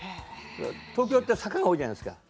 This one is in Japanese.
東京は坂が多いじゃないですか。